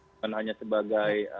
bukan hanya sebagai keluarga